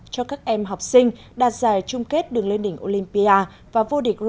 cho các em học sinh đạt giải chung kết đường lên đỉnh ôn lĩnh